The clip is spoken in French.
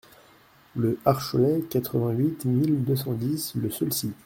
Le Harcholet, quatre-vingt-huit mille deux cent dix Le Saulcy